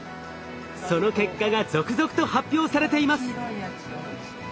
その結果が続々と発表されています。